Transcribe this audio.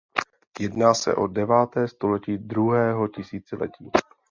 Jedná se o deváté století druhého tisíciletí.